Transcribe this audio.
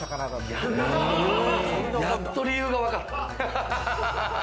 やっと理由がわかった。